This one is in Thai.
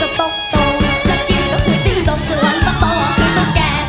จากกิ้มก็คือจริงจากส่วนตกก็คือตุ๊กแก